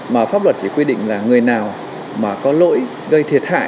mà pháp luật chỉ quy định là người nào mà có lỗi gây thiệt hại